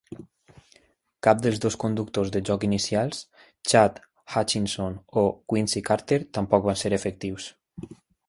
Cap dels dos conductors de joc inicials, Chad Hutchinson o Quincy Carter, tampoc van ser efectius.